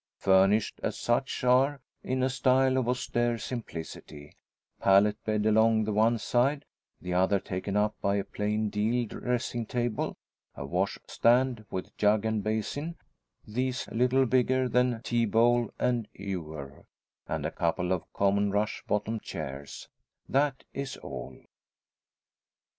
Furnished, as such, are, in a style of austere simplicity; pallet bed along the one side, the other taken up by a plain deal dressing table, a washstand with jug and basin these little bigger than tea bowl and ewer and a couple of common rush bottom chairs that is all.